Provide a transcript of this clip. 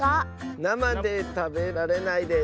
なまでたべられないです。